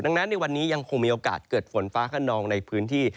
ดังนั้นในวันนี้ยังคงมีโอกาสเกิดฝนฟ้าขนองในพื้นที่